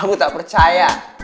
aku tak percaya